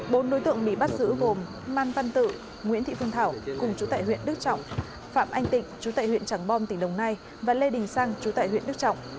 bốn đối tượng bị bắt giữ gồm man văn tự nguyễn thị phương thảo cùng chú tại huyện đức trọng phạm anh tịnh chú tại huyện trảng bom tỉnh đồng nai và lê đình sang chú tại huyện đức trọng